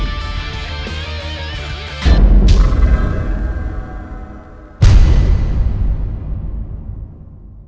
แกร่งจริง